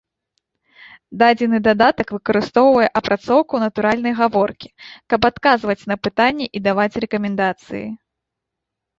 Дадзены дадатак выкарыстоўвае апрацоўку натуральнай гаворкі, каб адказваць на пытанні і даваць рэкамендацыі.